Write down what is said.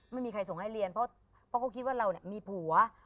ไม่มีใครส่งให้เรียนเพราะเขาคิดว่าเรามีผัว